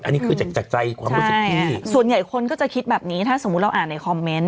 อันนี้คือจากใจความรู้สึกพี่ส่วนใหญ่คนก็จะคิดแบบนี้ถ้าสมมุติเราอ่านในคอมเมนต์